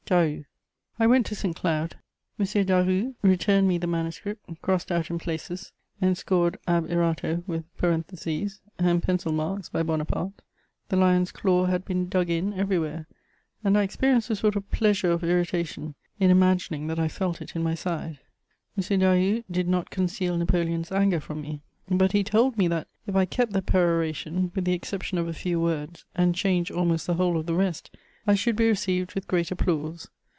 "DARU." I went to Saint Cloud. M. Daru returned me the manuscript, crossed out in places, and scored ab irato with parentheses and pencil marks by Bonaparte: the lion's claw had been dug in everywhere, and I experienced a sort of pleasure of irritation in imagining that I felt it in my side. M. Daru did not conceal Napoleon's anger from me; but he told me, that, if I kept the peroration, with the exception of a few words, and changed almost the whole of the rest, I should be received with great applause.